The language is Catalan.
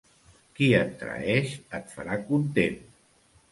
Qui et traeix et farà content.